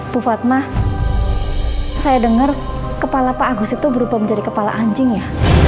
bu fatma saya dengar kepala pak agus itu berubah menjadi kepala anjing ya